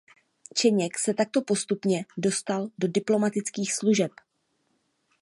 Čeněk se takto postupně dostal do diplomatických služeb.